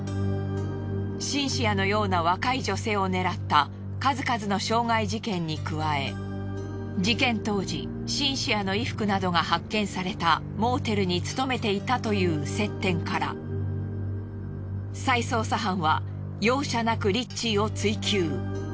シンシアのような若い女性を狙った数々の傷害事件に加え事件当時シンシアの衣服などが発見されたモーテルに勤めていたという接点から再捜査班は容赦なくリッチーを追及。